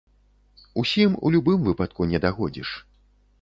Усім, у любым выпадку, не дагодзіш.